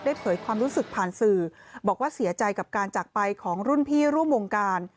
เผยความรู้สึกผ่านสื่อบอกว่าเสียใจกับการจากไปของรุ่นพี่ร่วมวงการ